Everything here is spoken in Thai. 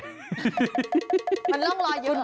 มันร่องรอยเยอะ